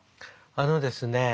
あのですね